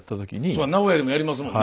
そうや名古屋でもやりますもんね。